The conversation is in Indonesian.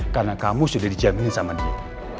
karena kamu sudah dijamin sama dia